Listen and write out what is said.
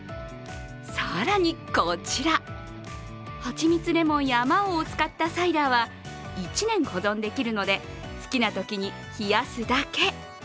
さらに、こちら、はちみつレモンやあまおうを使ったサイダーは、１年保存できるので好きなときに冷やすだけ。